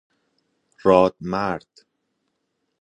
راد مرد